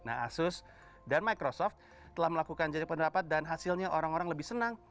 nah asus dan microsoft telah melakukan jajar pendapat dan hasilnya orang orang lebih senang